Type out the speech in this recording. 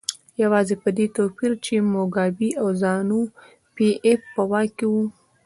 یوازې په دې توپیر چې موګابي او زانو پي ایف په واک کې وو.